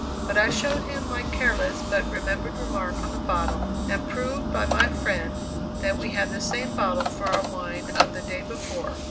But I showed him my careless but remembered mark on the bottle, and proved by my friend that we had the same bottle for our wine of the day before.